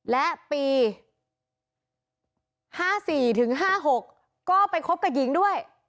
และปีห้าสี่ถึงห้าหกก็ไปครบกับหญิงด้วย